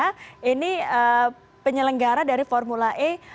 tapi penyelenggara dari formula e